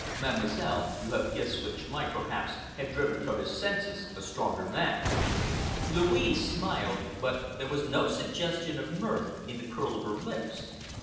Mademoiselle, you have gifts which might, perhaps, have driven from his senses a stronger man." Louise smiled, but there was no suggestion of mirth in the curl of her lips.